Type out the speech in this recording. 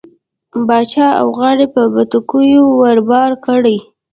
باچا اوه غاړۍ په بتکيو ور بار کړې.